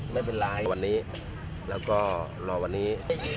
ไม่เป็นไรวันนี้แล้วก็รอวันนี้